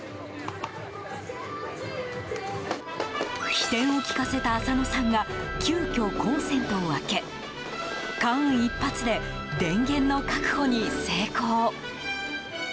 機転を利かせた浅野さんが急きょ、コンセントを空け間一髪で電源の確保に成功。